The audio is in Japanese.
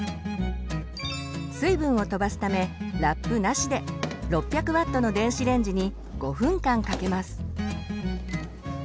水分をとばすためラップなしで６００Ｗの電子レンジに５分間かけます。